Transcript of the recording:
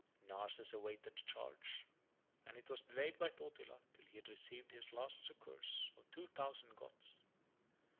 Narses awaited the charge; and it was delayed by Totila till he had received his last succors of two thousand Goths.